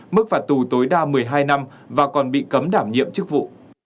mức phạt tù tối đa một mươi hai năm và còn bị cấm đảm nhiệm chức vụ